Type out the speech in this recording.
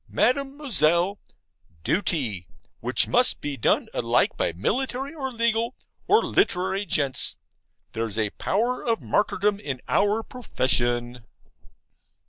Mademoiselle; duty, which must be done alike by military, or legal, or literary gents. There's a power of martyrdom in our profession.